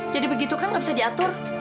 jadi begitu kan gak bisa diatur